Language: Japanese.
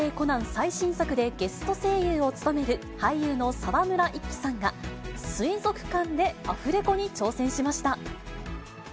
最新作でゲスト声優を務める俳優の沢村一樹さんが、水族館でアフレコに挑戦しました。